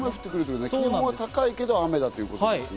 気温は高いけど、雨ってことですね。